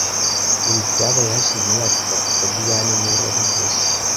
Ibi byabaye hashize imyaka itatu fabien niwe wabivuze